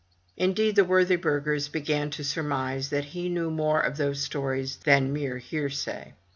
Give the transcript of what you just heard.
Indeed, the worthy burghers began to surmise that he knew more of those stories than mere hearsay.